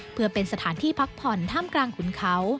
เพื่อเป็นสถานที่พักผ่อนท่ามกลางขุนเขา